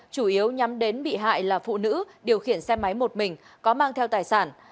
chủ yếu nhắm đến bị hại là phụ nữ điều khiển xe máy một mình có mang theo tài sản